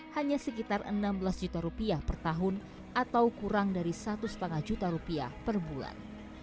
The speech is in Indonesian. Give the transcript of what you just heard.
hanya sekitar rp enam belas juta per tahun atau kurang dari rp satu lima juta per bulan